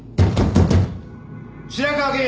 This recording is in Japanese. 白河議員！